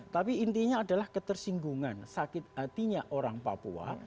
tapi intinya adalah ketersinggungan sakit hatinya orang papua